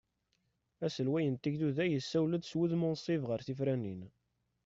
Aselway n tigduda yessawel-d s wudem unṣib ɣer tefranin.